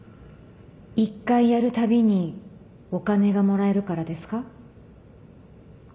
一回やる度にお金がもらえるからですか？